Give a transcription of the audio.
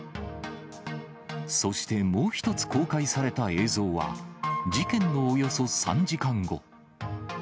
そしてもう一つ公開された映像は、事件のおよそ３時間後。